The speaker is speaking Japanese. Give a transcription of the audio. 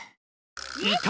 いた！